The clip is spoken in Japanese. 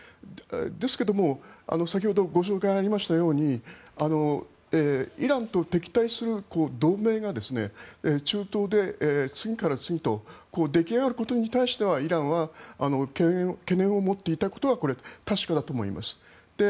ですが、先ほどご紹介がありましたようにイランと敵対する同盟が中東で次から次へと出来上がることに対してはイランは懸念を持っていたことは確かだと思います。